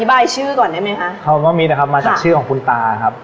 บายชื่อก่อนได้ไหมคะคำว่ามิดนะครับมาจากชื่อของคุณตาครับ